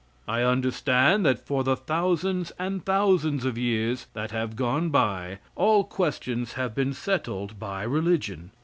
I understand that for the thousands and thousands of years that have gone by, all questions have been settled by religion.